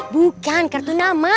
bukan kartu nama